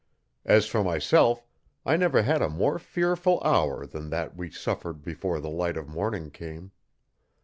As for myself I never had a more fearful hour than that we suffered before the light of morning came.